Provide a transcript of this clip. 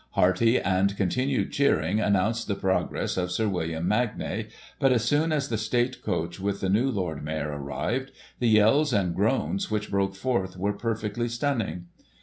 Hearty and continued cheering announced the pro gress of Sir William Magnay ; but, as soon as the State coach with the new Lord Mayor arrived, the yells and groans which broke forth, were perfectly stunning.